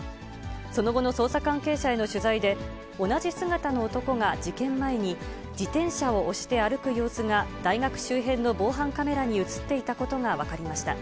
その後の捜査関係者への取材で、同じ姿の男が事件前に、自転車を押して歩く様子が、大学周辺の防犯カメラに写っていたことが分かりました。